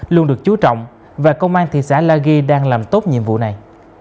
luôn được chú trọng và công an thị xã la ghi đang làm tốt nhiệm vụ này